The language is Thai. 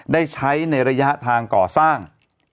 ได้ใช้ในระยะทางก่อสร้าง